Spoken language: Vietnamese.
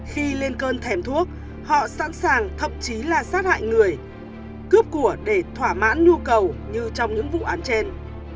khi lên cơn thèm thuốc họ sẵn sàng thậm chí là sát hại người cướp của để thỏa mãn nhu cầu như trong những vụ án trên